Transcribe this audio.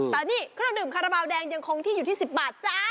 แต่นี่เครื่องดื่มคาราบาลแดงยังคงที่อยู่ที่๑๐บาทจ้า